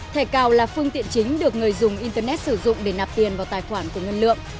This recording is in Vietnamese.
thẻ cào là phương tiện chính được người dùng internet sử dụng để nạp tiền vào tài khoản của ngân lượng